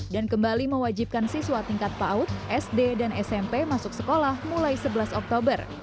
dan kembali mewajibkan siswa tingkat paud sd dan smp masuk sekolah mulai sebelas oktober